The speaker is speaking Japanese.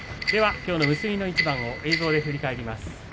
結びの一番を映像で振り返ります。